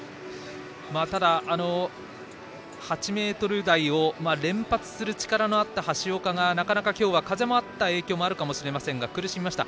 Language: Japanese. ただ、８ｍ台を連発する力のあった橋岡がなかなか今日は風もあった影響もあるかもしれませんが苦しみました。